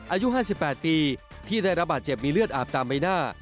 อายุ๕๘ปีที่ได้รับบาดเจ็บมีเลือดอาบตามใบหน้า